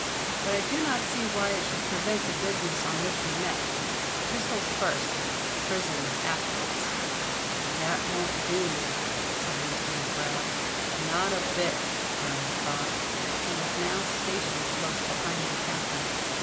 "But I do not see why it should prevent the business on which we met. Pistols first—prison afterwards." "That won't do," said Mr. Mac Grab. "Not a bit," growled Proggs, who was now stationed close behind the Captain.